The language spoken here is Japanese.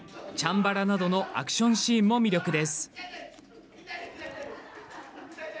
チャンバラなどのアクションシーンも魅力です。